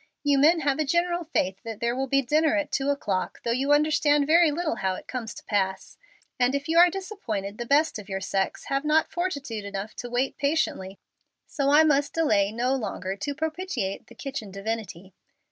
"You men have a general faith that there will be dinner at two o'clock, though you understand very little how it comes to pass, and if you are disappointed the best of your sex have not fortitude enough to wait patiently, so I must delay no longer to propitiate the kitchen divinity."